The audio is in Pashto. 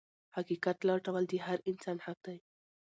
حقيقت لټول د هر انسان حق دی.